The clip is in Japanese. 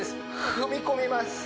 踏み込みます